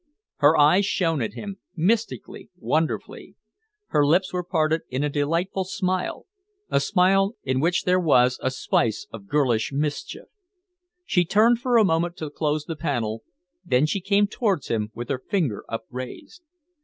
Her eyes shone at him, mystically, wonderfully. Her lips were parted in a delightful smile, a smile in which there was a spice of girlish mischief. She turned for a moment to close the panel. Then she came towards him with her finger upraised.